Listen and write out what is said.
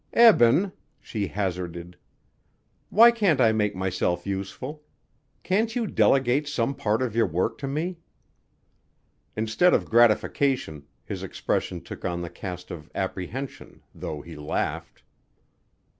"Eben," she hazarded, "why can't I make myself useful? Can't you delegate some part of your work to me?" Instead of gratification his expression took on the cast of apprehension, though he laughed.